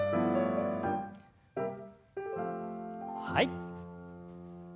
はい。